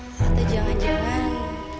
oh atau jangan jangan